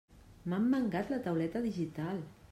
M'han mangat la tauleta digital!